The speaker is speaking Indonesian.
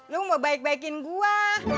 lu mau baik baikin gue